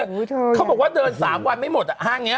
เขาบอกว่าเดิน๓วันไม่หมดอันนี้